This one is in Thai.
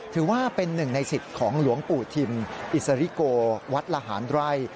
ถือว่าเป็นหนึ่งในสิทธิ์ของหลวงปู่ทิมอิสริโกวัดละหารไร่